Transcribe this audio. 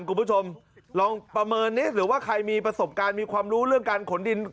คุณผู้ชมลองประเมินนิดหรือว่าใครมีประสบการณ์มีความรู้เรื่องการขนดิน